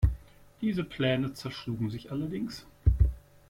Diese Pläne zerschlugen sich allerdings.